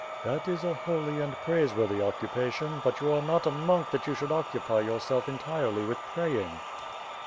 "That is a holy and praiseworthy occupation, but you are not a monk that you should occupy yourself entirely with praying."